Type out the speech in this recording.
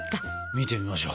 見てみましょう。